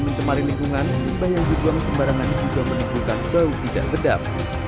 mencemari lingkungan limbah yang dibuang sembarangan juga menimbulkan bau tidak sedap